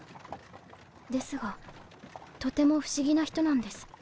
ですがとても不思議な人なんです。